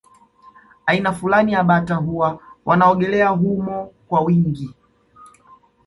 Aina fulani ya bata huwa wanaogelea humo kwa wingi